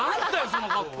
その格好。